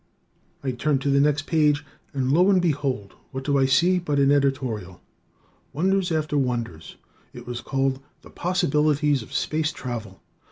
I turned to the next page and lo and behold, what do I see but an editorial. Wonders after wonders! It was called "The Possibilities of Space Travel."